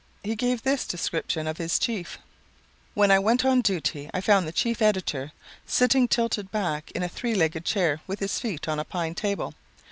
He gave this description of his "chief": "When I went on duty I found the chief editor sitting tilted back in a three legged chair with his feet on a pine table.